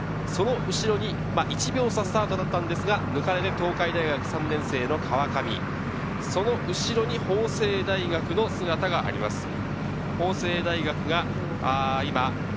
その後ろに１秒差スタートだったんですが、迎える東海大学３年生の川上、その後ろに法政大学の姿があります。